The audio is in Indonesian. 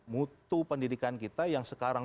mutu pendidikan kita yang sekarang